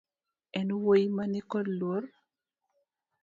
En wuoyi mani kod luor